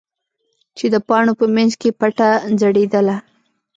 چې د پاڼو په منځ کې پټه ځړېدله.